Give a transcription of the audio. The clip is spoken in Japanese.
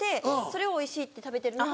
それをおいしいって食べてるのが。